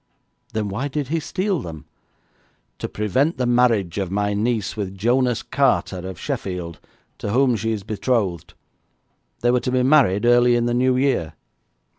'Then why did he steal them?' 'To prevent the marriage of my niece with Jonas Carter, of Sheffield, to whom she is betrothed. They were to be married early in the New Year.'